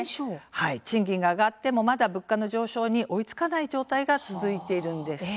賃金が上がっても物価の上昇に追いつかない状況が続いているんです。